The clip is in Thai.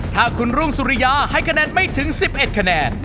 ถ้าคุณรุ่งสุริยาให้คะแนนไม่ถึง๑๑คะแนน